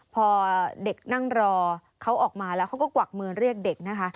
พอเด็กนั่งรอเขาออกมาแล้วเขาก็กวักมือเรียกเด็กนะคะ